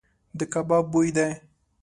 د کباب بوی دی .